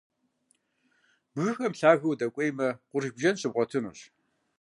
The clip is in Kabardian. Бгыхэм лъагэу удэкӀуеймэ, къурш бжэн щыбгъуэтынущ.